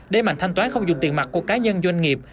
để mạnh thanh toán không dùng tiền mặt của cá nhân doanh nghiệp